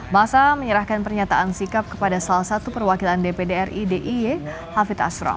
masa menyerahkan pernyataan sikap kepada salah satu perwakilan dpd ri d i e hafid ashram